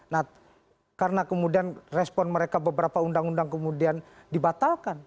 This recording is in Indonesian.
nah karena kemudian respon mereka beberapa undang undang kemudian dibatalkan